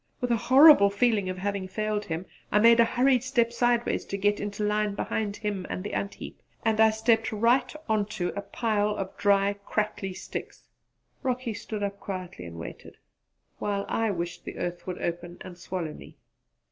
With a horrible feeling of having failed him I made a hurried step sideways to get into line behind him and the ant heap, and I stepped right on to a pile of dry crackly sticks. Rocky stood up quietly and waited, while I wished the earth would open and swallow me.